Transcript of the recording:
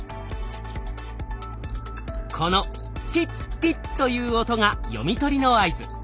この「ピッピッ」という音が読み取りの合図。